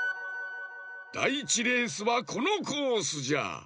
だい１レースはこのコースじゃ！